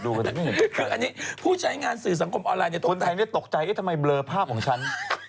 คืออันนี้ผู้ใช้งานสื่อสังคมออนไลน์เนี่ยคนไทยตกใจเอ๊ะทำไมเบลอภาพของฉัน